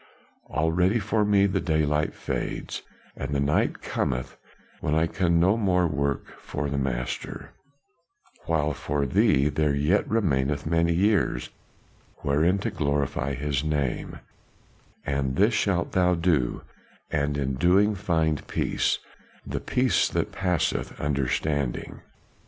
Already for me the daylight fades and the night cometh when I can no more work for the Master, while for thee there yet remaineth many years wherein to glorify his name; and this shalt thou do, and in the doing find peace the peace that passeth understanding."